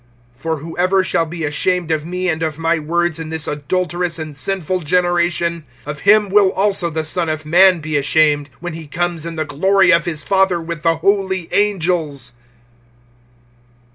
(38)For whoever shall be ashamed of me and of my words, in this adulterous and sinful generation, of him will also the Son of man be ashamed, when he comes in the glory of his Father with the holy angels.